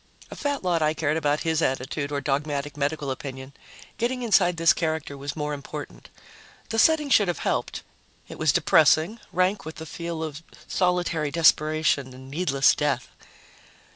A fat lot I cared about his attitude or dogmatic medical opinion. Getting inside this character was more important. The setting should have helped; it was depressing, rank with the feel of solitary desperation and needless death.